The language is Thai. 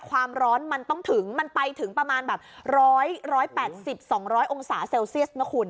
ความร้อนมันต้องถึงมันไปถึงประมาณแบบ๑๘๐๒๐๐องศาเซลเซียสนะคุณ